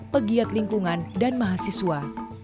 pegiat lingkungan dan mahasiswa